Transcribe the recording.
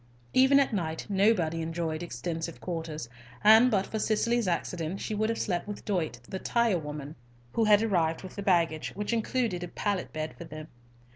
Even at night, nobody enjoyed extensive quarters, and but for Cicely's accident she would have slept with Dyot, the tirewoman, who had arrived with the baggage, which included a pallet bed for them.